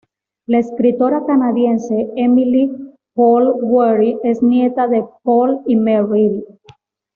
La escritora canadiense Emily Pohl-Weary es nieta de Pohl y Merril.